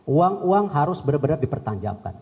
uang uang harus benar benar dipertanjabkan